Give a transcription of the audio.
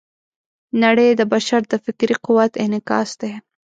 نړۍ د بشر د فکري قوت انعکاس دی.